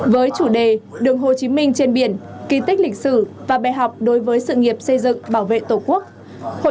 với chủ đề đường hồ chí minh trên biển kỳ tích lịch sử và bài học đối với sự nghiệp xây dựng bảo vệ tổ quốc